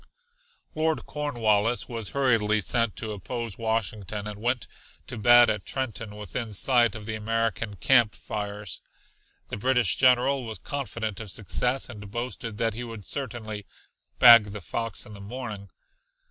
Lord Cornwallis was hurriedly sent to oppose Washington, and went to bed at Trenton within sight of the American camp fires. The British general was confident of success and boasted that he would certainly "bag the fox in the morning."